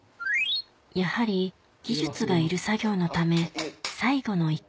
やはり技術がいる作業のため早い！